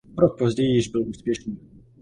O rok později již byl úspěšný.